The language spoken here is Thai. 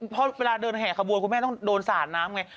เพราะเวลาเดินแห่ขบวนคุณแม่ต้องโดนสาดน้ำไง